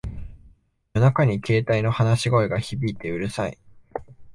夜中に携帯の話し声が響いてうるさい